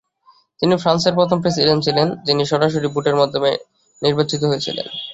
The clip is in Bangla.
তিনি ফ্রান্সের প্রথম প্রেসিডেন্ট ছিলেন যিনি সরাসরি ভোটের মাধ্যমে নির্বাচিত হয়েছিলেন।